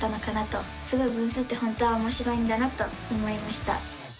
すごい分数って本当はおもしろいんだなと思いました！